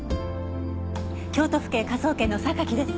京都府警科捜研の榊です。